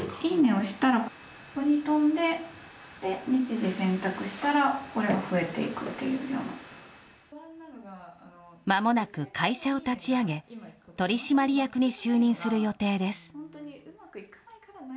押したらここにとんで、日時選択したらこれが増えていくまもなく会社を立ち上げ、取締役に就任する予定です。